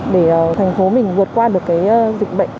để thành phố mình vượt qua được cái dịch bệnh